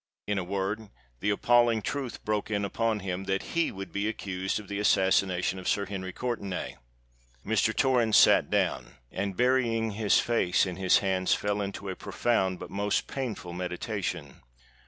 In a word, the appalling truth broke in upon him, that he would be accused of the assassination of Sir Henry Courtenay! Mr. Torrens sate down, and, burying his face in his hands, fell into a profound but most painful meditation.